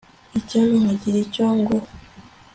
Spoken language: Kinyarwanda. Icyampa nkagira icyo nguha